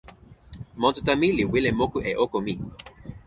monsuta mi li wile moku e oko mi.